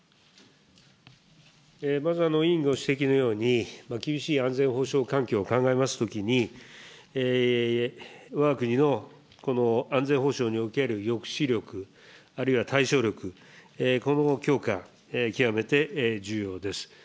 まず委員ご指摘のように、厳しい安全保障環境を考えますときに、わが国のこの安全保障における抑止力、あるいは対処力、この強化、極めて重要です。